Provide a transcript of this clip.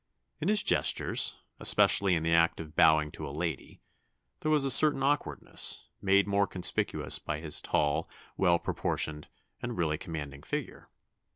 In his gestures especially in the act of bowing to a lady there was a certain awkwardness, made more conspicuous by his tall, well proportioned, and really commanding figure.